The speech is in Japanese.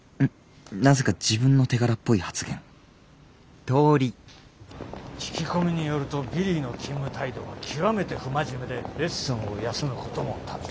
なぜか自分の手柄っぽい発言聞き込みによるとビリーの勤務態度は極めて不真面目でレッスンを休むことも度々。